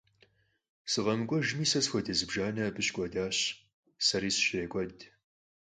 СыкъэмыкӀуэжми, сэ схуэдэ зыбжанэ абы щыкӀуэдащ, сэри сыщрекӀуэд.